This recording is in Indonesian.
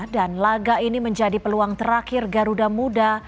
dan laga ini menjadi peluang terakhir garuda muda